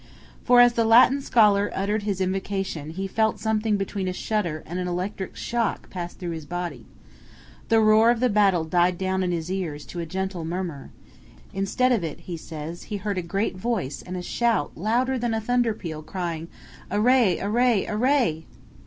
For as the Latin scholar uttered his invocation he felt something between a shudder and an electric shock pass through his body. The roar of the battle died down in his ears to a gentle murmur; instead of it, he says, he heard a great voice and a shout louder than a thunder peal crying, "Array, array, array!"